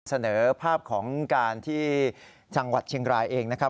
เสนอภาพของการที่จังหวัดเชียงรายเองนะครับ